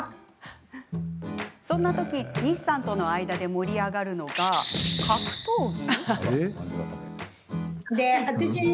そんな時、西さんとの間で盛り上がるのが、格闘技？